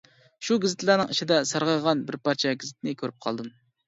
شۇ گېزىتلەرنىڭ ئىچىدە، سارغايغان بىر پارچە گېزىتنى كۆرۈپ قالدىم.